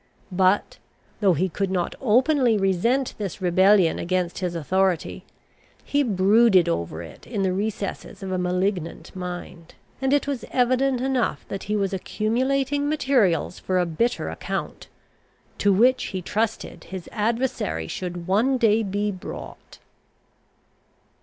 But, though he could not openly resent this rebellion against his authority, he brooded over it in the recesses of a malignant mind; and it was evident enough that he was accumulating materials for a bitter account, to which he trusted his adversary should one day be brought.